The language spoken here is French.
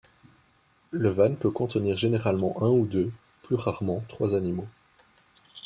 Le van peut contenir généralement un ou deux, plus rarement trois animaux.